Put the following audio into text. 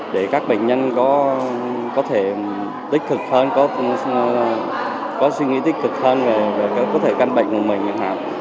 để các bệnh nhân có thể tích cực hơn có suy nghĩ tích cực hơn về có thể căn bệnh của mình chẳng hạn